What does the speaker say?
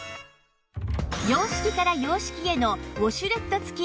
洋式から洋式へのウォシュレット付き